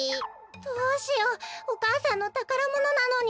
どうしようお母さんのたからものなのに。